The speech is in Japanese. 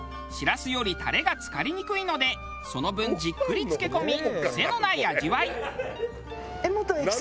シラスよりたれが漬かりにくいのでその分じっくり漬け込み癖のない味わい。